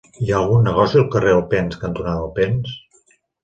Hi ha algun negoci al carrer Alpens cantonada Alpens?